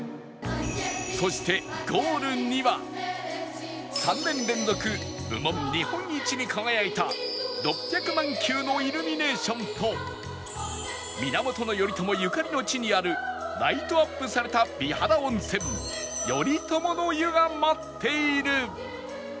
そしてゴールには３年連続部門日本一に輝いた６００万球のイルミネーションと源頼朝ゆかりの地にあるライトアップされた美肌温泉頼朝の湯が待っている